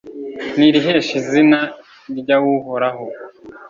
nirihesh'izina ryaw'uhoraho